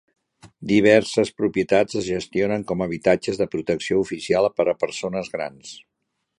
Diverses propietats es gestionen com habitatges de protecció oficial per a persones grans.